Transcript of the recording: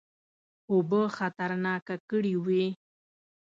اوبه خطرناکه کړي وې.